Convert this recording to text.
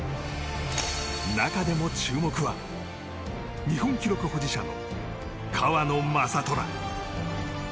中でも注目は日本記録保持者の川野将虎。